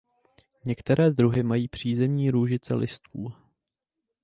Některé druhy mají přízemní růžice listů.